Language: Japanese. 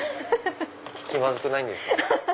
気まずくないんですか？